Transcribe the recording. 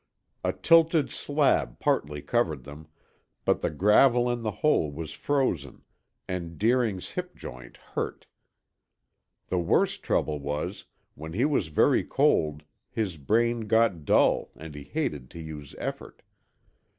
A tilted slab partly covered them, but the gravel in the hole was frozen and Deering's hip joint hurt. The worst trouble was, when he was very cold his brain got dull and he hated to use effort.